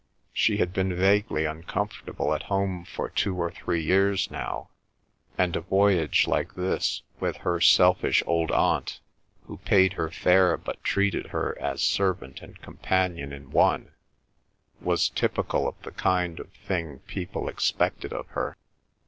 She had been vaguely uncomfortable at home for two or three years now, and a voyage like this with her selfish old aunt, who paid her fare but treated her as servant and companion in one, was typical of the kind of thing people expected of her.